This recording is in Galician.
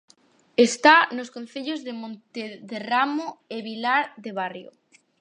Está nos concellos de Montederramo e Vilar de Barrio.